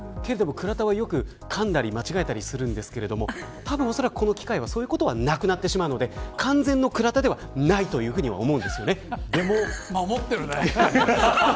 倉田はよくかんだり間違えたりするんですけれどもおそらくこの機械はそういったことはなくなってしまうので完全な倉田ではない守っているね。